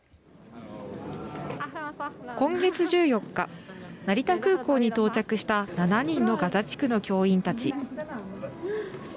今月１４日成田空港に到着した７人のガザ地区の教員たち。